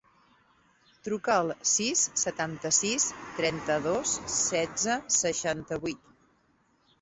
Truca al sis, setanta-sis, trenta-dos, setze, seixanta-vuit.